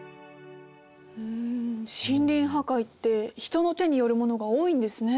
ん森林破壊って人の手によるものが多いんですね。